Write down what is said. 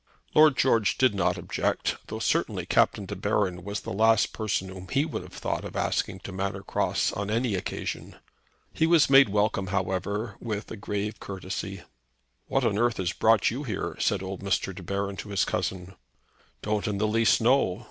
Lord George did not object, though certainly Captain De Baron was the last person whom he would have thought of asking to Manor Cross on any occasion. He was made welcome, however, with a grave courtesy. "What on earth has brought you here?" said old Mr. De Baron to his cousin. "Don't in the least know!